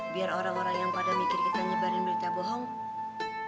biar orang orang yang pada mikir kita nyebarin berita bohong